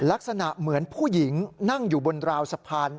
ลักษณะเหมือนผู้หญิงนั่งอยู่บนราวสะพาน